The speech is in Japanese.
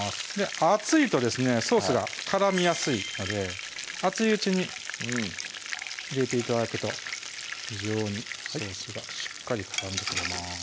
熱いとですねソースが絡みやすいので熱いうちに入れて頂くと非常にソースがしっかり絡んでくれます